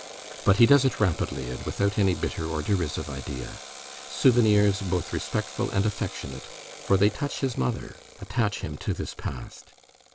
But he does it rapidly and without any bitter or derisive idea. Souvenirs both respectful and affectionate, for they touch his mother, attach him to this past.